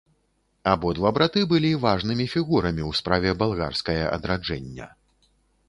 Абодва браты былі важнымі фігурамі ў справе балгарскае адраджэння.